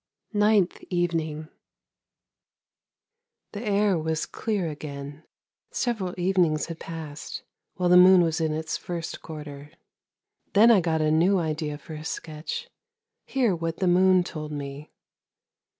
NINTH EVENING The air was clear again, several evenings had passed, while the moon was in its first quarter. Then I got a new idea for a sketch: hear what the moon told me.